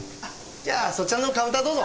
じゃあそちらのカウンターどうぞ。